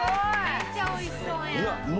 めっちゃ美味しそうやん！